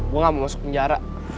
gua ga mau masuk penjara